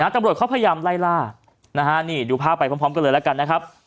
ตำรวจเขาพยายามไล่ล่านี่ดูภาพไปพร้อมกันเลยแล้วกันนะครับ